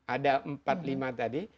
ada empat lima tadi